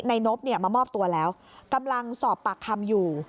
นบเนี่ยมามอบตัวแล้วกำลังสอบปากคำอยู่